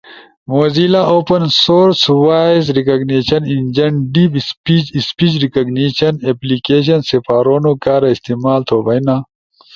موزیلا اوپن سورس وائس ریکگنیشن انجن ڈیپ اسپیج، اسپیج ریکگنیشن اپلیکیشن سپارونو کارا استعمال تھو بئینا،